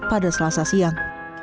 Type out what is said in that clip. pada selasa siang